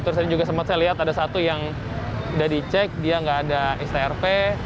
terus tadi juga sempat saya lihat ada satu yang udah dicek dia nggak ada strp